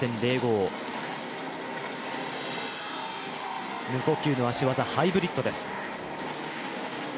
王セン懿の足技、ハイブリッドです。